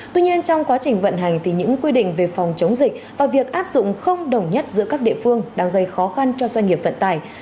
tuy nhiên trong quá trình vận hành thì những quy định về phòng chống dịch và việc áp dụng không đồng nhất giữa các địa phương đang gây khó khăn cho doanh nghiệp vận tải